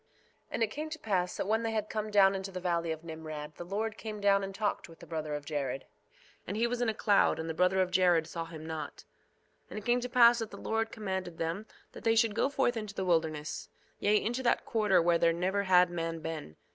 2:4 And it came to pass that when they had come down into the valley of Nimrod the Lord came down and talked with the brother of Jared; and he was in a cloud, and the brother of Jared saw him not. 2:5 And it came to pass that the Lord commanded them that they should go forth into the wilderness, yea, into that quarter where there never had man been.